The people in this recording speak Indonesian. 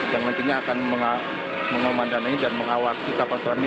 yang nantinya akan mengawal dan mengawasi kapal selam ini